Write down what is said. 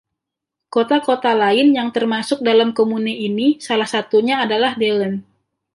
Kota-kota lain yang termasuk dalam komune ini salah satunya adalah Dellen.